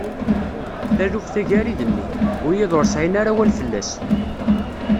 Taluft-a gar-i d mmi, wiyiḍ ur sɛin ara awal fell-as.